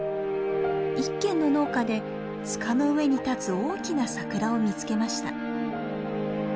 一軒の農家で塚の上に立つ大きなサクラを見つけました。